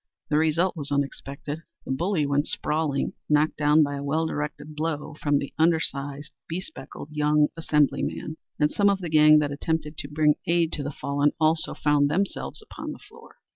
The result was unexpected. The bully went sprawling, knocked down by a well directed blow from the undersized, bespectacled young assemblyman and some of the gang that attempted to bring aid to the fallen also found themselves upon the floor.